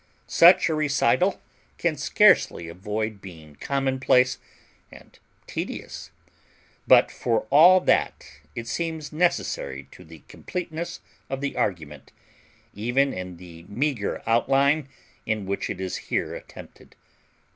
Such a recital can scarcely avoid being commonplace and tedious, but for all that it seems necessary to the completeness of the argument, even in the meager outline in which it is here attempted.